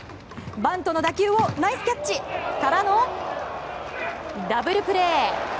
バントの打球をナイスキャッチ！からの、ダブルプレー！